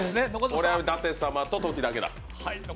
これは舘様とトキだけだ。